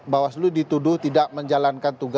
bawaslu dituduh tidak menjalankan tugas